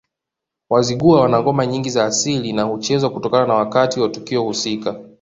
Wazigua wana ngoma nyingi za asili na huchezwa kutokana na wakati na tukio husika